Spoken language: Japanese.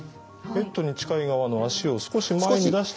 ベッドに近い側の足を少し前に出して内側。